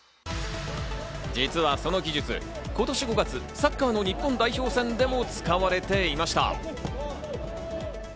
実はその技術、今年５月サッカーの日本代表戦でも使われていました。